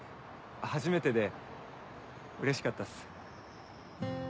初めてでうれしかったっす。